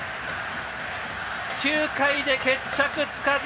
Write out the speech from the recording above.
９回で決着つかず。